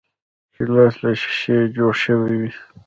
ګیلاس له شیشې جوړ شوی وي.